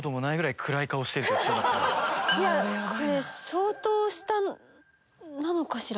いやこれ相当下なのかしら？